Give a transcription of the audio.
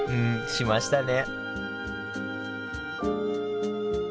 しましたね